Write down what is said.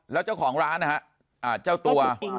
แล้วเจ้าของร้านนะฮะเจ้าตัว